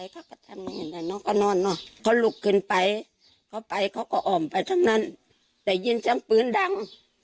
เขาลุกขึ้นไปเขาก็อ่อมไปทั้งนั้นได้ยินจังปืนดัง